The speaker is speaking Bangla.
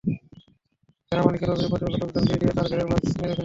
ঘেরমালিকের অভিযোগ, প্রতিপক্ষের লোকজন বিষ দিয়ে তাঁর ঘেরের মাছ মেরে ফেলেছে।